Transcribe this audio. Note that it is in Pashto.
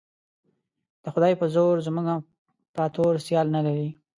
د خدای په زور زموږ امپراطور سیال نه لري.